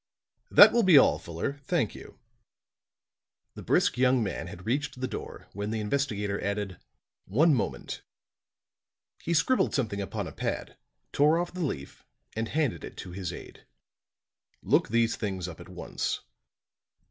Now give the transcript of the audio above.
"That will be all, Fuller; thank you." The brisk young man had reached the door when the investigator added: "One moment." He scribbled something upon a pad, tore off the leaf and handed it to his aid. "Look these things up at once."